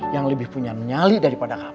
yang lebih punya menyalih daripada kamu